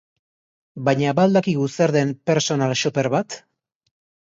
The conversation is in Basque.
Baina ba al dakigu zer den personal shopper bat?